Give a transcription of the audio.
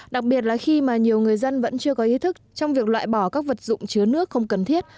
đặc biệt là khi mà nhiều người dân vẫn chưa có ý thức trong việc loại bỏ các vật dụng chứa nước không cần thiết